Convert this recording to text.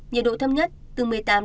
nhiệt độ thấp nhất từ một mươi tám đến